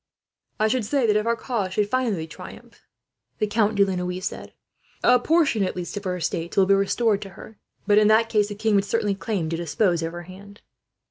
"I should say that, if our cause should finally triumph, a portion at least of her estates will be restored to her; but in that case the king would certainly claim to dispose of her hand."